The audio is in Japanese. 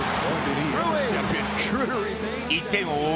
１点を追う